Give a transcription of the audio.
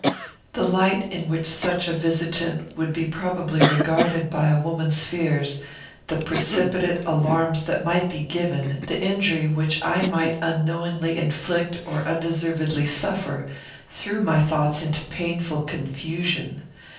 The light in which such a visitant would be probably regarded by a woman's fears, the precipitate alarms that might be given, the injury which I might unknowingly inflict or undeservedly suffer, threw my thoughts into painful confusion.